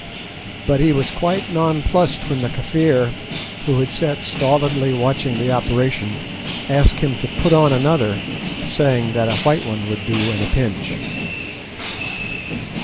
But he was quite nonplussed when the Kafir, who had sat stolidly watching the operation, asked him to put on another, saying that a "white one" would do at a pinch.